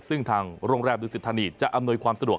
ซึ่งทางโรงแรมดุสิทธานีจะอำนวยความสะดวก